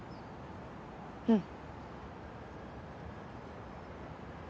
うん。